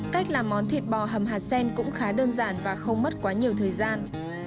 cách làm món thịt bò hầm hạt sen cũng khá đơn giản và không mất quá nhiều thời gian